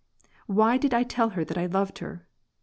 "Why did I tell her that I loved her?